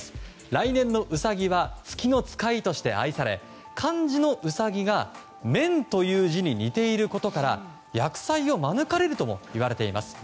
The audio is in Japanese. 来年のウサギは月の使いとして愛され漢字の「兎」が「免」という字に似ていることから厄災を免れるともいわれています。